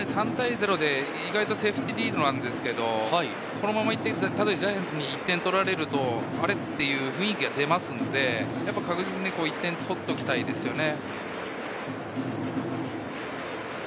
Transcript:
意外とセーフティーリードなんですけれど、ジャイアンツに１点取られると、あれっ？という雰囲気が出ますので、確実に１点とっておきたいですよね。